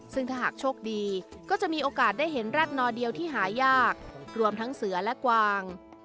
ซึ่งถ้าหากโชคดีก็จะมีโอกาสได้เห็นรากนอเดียวที่หายากรวมทั้งเสือและกวาง